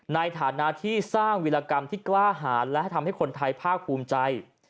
ในฐานะที่สร้างวิรากรรมที่กล้าหารและให้ทำให้คนไทยภาคภูมิใจ